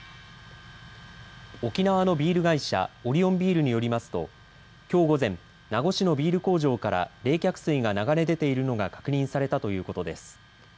沖縄のビール会社、オリオンビールによりますときょう午前、名護市のビール工場から冷却水が流れ出ているのが確認されたということです。